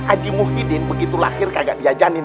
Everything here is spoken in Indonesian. aji muhyiddin begitu lahir kagak diajanin